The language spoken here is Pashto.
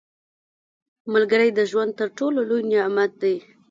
• ملګری د ژوند تر ټولو لوی نعمت دی.